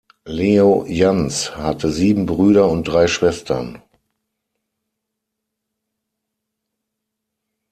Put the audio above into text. Leo Janz hatte sieben Brüder und drei Schwestern.